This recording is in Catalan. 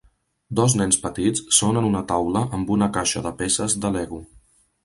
Dos nens petits són en una taula amb una caixa de peces de Lego.